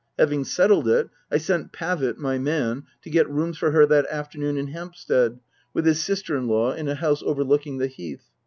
Having settled it, I sent Pavitt, my man, to get rooms for her that afternoon in Hampstead, with his sister in law, in a house overlooking the Heath.